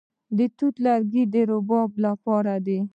د توت لرګي د رباب لپاره دي.